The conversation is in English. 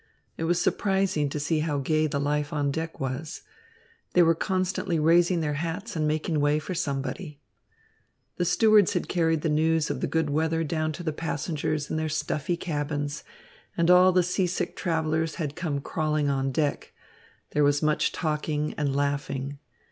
It was surprising to see how gay the life on deck was. They were constantly raising their hats and making way for somebody. The stewards had carried the news of the good weather down to the passengers in their stuffy cabins, and all the seasick travellers had come crawling on deck. There was much talking and laughing.